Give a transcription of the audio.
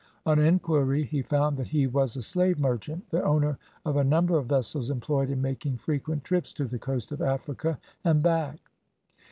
On inquiry, he found that he was a slave merchant, the owner of a number of vessels employed in making frequent trips to the coast of Africa and back.